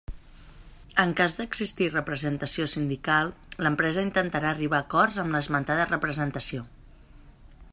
En cas d'existir representació sindical, l'empresa intentarà arribar a acords amb l'esmentada representació.